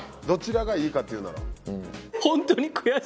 どちらがいいかっていうなら。